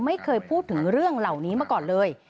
ไม่เคยพูดถึงเรื่องเหล่านี้มาก่อนเลย